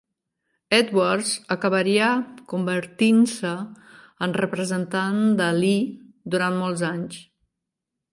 Edwards acabaria convertint-se en representant de Lee durant molts anys.